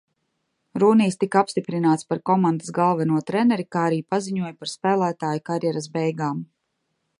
Rūnijs tika apstiprināts par komandas galveno treneri, kā arī paziņoja par spēlētāja karjeras beigām.